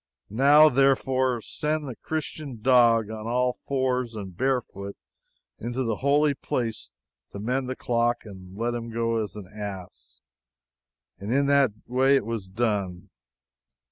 Now, therefore, send the Christian dog on all fours, and barefoot, into the holy place to mend the clock, and let him go as an ass!" And in that way it was done.